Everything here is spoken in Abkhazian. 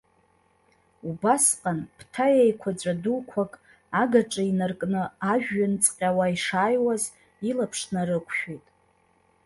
Убасҟан ԥҭа еиқәаҵәа дуқәак агаҿа инаркны ажәҩан ҵҟьауа ишааиуаз илаԥш нарықәшәеит.